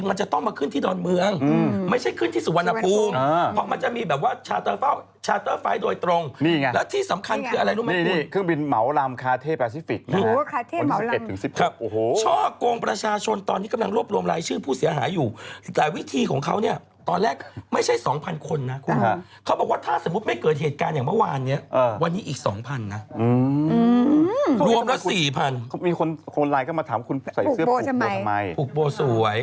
เข้ามาขึ้นที่ดอนเมืองไม่ใช่ขึ้นที่สุวรรณภูมิเพราะมันจะมีแบบว่าชาตเตอร์ไฟโดยตรงแล้วที่สำคัญคืออะไรรู้ไหมคุณนี่เครื่องบินเหมาลำคาเทศปาซิฟิกคน๑๑๑๖โอ้โหช่าโกงประชาชนตอนนี้กำลังรวบรวมรายชื่อผู้เสียหาอยู่แต่วิธีของเขาเนี่ยตอนแรกไม่ใช่๒๐๐๐คนนะคุณเขาบอกว่าถ้าส